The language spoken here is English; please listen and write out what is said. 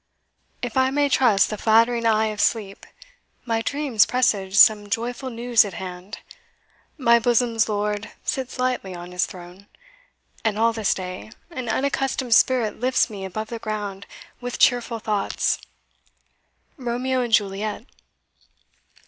If I may trust the flattering eye of sleep, My dreams presage some joyful news at hand: My bosom's lord sits lightly on his throne, And all this day, an unaccustomed spirit Lifts me above the ground with cheerful thoughts. Romeo and Juliet.